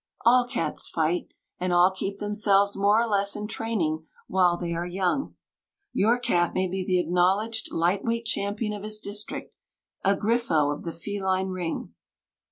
All cats fight, and all keep themselves more or less in training while they are young. Your cat may be the acknowledged lightweight champion of his district a Griffo of the feline ring!